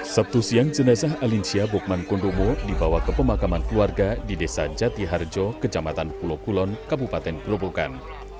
sabtu siang jenazah alinsya bokman kondomo dibawa ke pemakaman keluarga di desa jati harjo kejamatan kulokulon kabupaten gerobokan